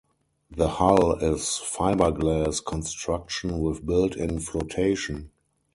The hull is fibreglass construction with built in flotation.